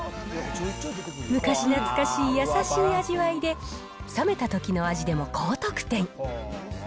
昔懐かしい優しい味わいで、冷めたときの味でも高得点。